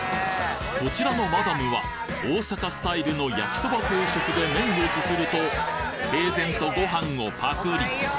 こちらのマダムは大阪スタイルの焼きそば定食で麺をすすると平然とご飯をパクリ！